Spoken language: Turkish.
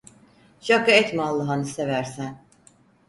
Şaka etme Allahını seversen!